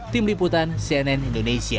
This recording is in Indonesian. tim liputan cnn indonesia